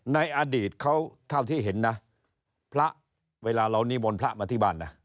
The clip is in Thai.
ในอดีตเขาเท่าที่เห็นนะพระเวลาเรานิมนต์พระมาที่บ้านนะ